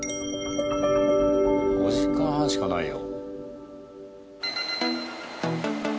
５時間半しかないよ。